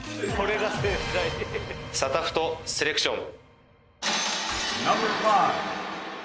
『サタフト』セレクション。